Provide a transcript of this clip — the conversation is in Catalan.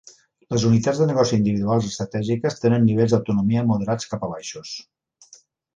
Les unitats de negoci individuals estratègiques tenen nivells d'autonomia moderats cap a baixos.